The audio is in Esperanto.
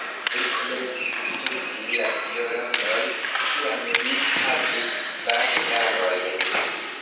Li komencis studi la violonon kiam li havis kvar jarojn.